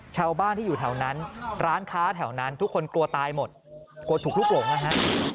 ชาวบ้านที่อยู่แถวนั้นร้านค้าแถวนั้นทุกคนกลัวตายหมดกลัวถูกลุกหลงนะฮะ